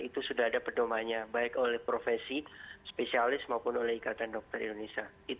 itu sudah ada pedomannya baik oleh profesi spesialis maupun oleh ikatan dokter indonesia